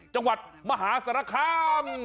จังหวัดมหาศรษภ์ข้าม